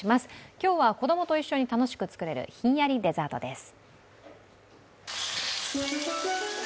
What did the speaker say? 今日は子どもと一緒に楽しく作れるひんやりデザートです。